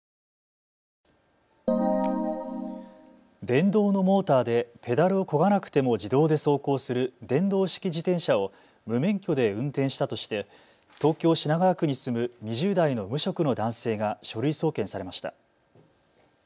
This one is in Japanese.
電動のモーターでペダルをこがなくても自動で走行する電動式自転車を無免許で運転したとして東京品川区に住む２０代の無職の男性が書類送検されました。